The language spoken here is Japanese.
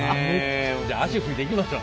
じゃあ足拭いて行きましょう。